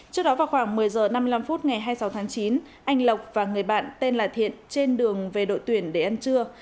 trước đó vào khoảng một mươi h năm mươi năm phút ngày hai mươi sáu tháng chín anh lộc và người bạn tên là thiện trên đường về đội tuyển để ăn trưa